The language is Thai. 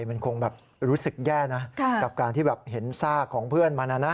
มันคงแบบรู้สึกแย่นะกับการที่แบบเห็นซากของเพื่อนมันนะ